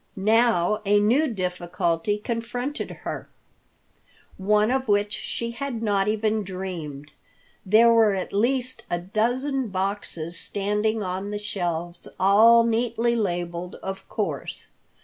Now a new difficulty confronted her, one of which she had not even dreamed. There were at least a dozen boxes standing on the shelves, all neatly labelled, of course.